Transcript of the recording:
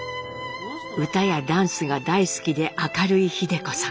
歌やダンスが大好きで明るい秀子さん。